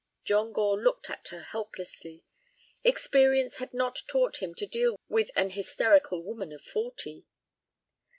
John Gore looked at her helplessly. Experience had not taught him to deal with an hysterical woman of forty.